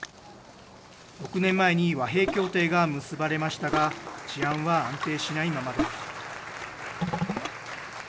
６年前に和平協定が結ばれましたが治安は安定しないままです。